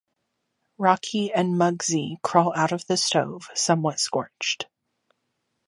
Rocky and Mugsy crawl out of the stove, somewhat scorched.